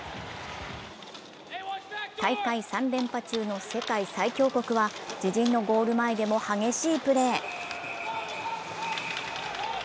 大会３連覇中の世界最強国は自陣のゴール前でも激しいプレー。